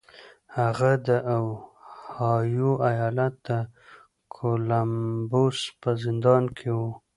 هغه د اوهايو ايالت د کولمبوس په زندان کې و.